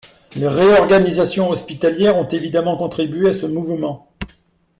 Les réorganisations hospitalières ont évidemment contribué à ce mouvement.